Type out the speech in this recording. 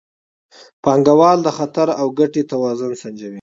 پانګوال د خطر او ګټې توازن سنجوي.